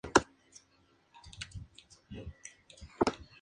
A principio se presentó como una página web de comercio electrónico online.